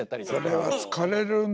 それは疲れるね。